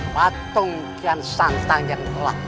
batung kian santang yang telah